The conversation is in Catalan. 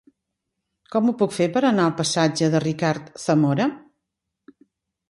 Com ho puc fer per anar al passatge de Ricard Zamora?